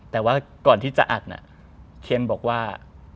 แต่ว่าก่อนที่จะอัดเคนบอกว่า